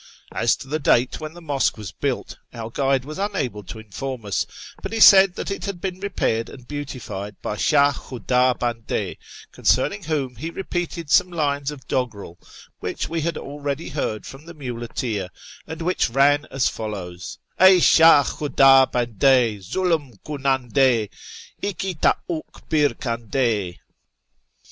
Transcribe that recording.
As to the date when the mosque was built, our guide was unable to inform us, but he said that it had been repaired and beautified by Shah Ivhuda Bande, concerning whom he repeated some lines of doggerel, which we had already heard from the muleteer, and which ran as follows :—" Ey Shah Khudu Bande, Zulm kunande, Ihi toy'dk Mr kande